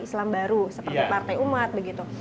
islam baru seperti partai umat begitu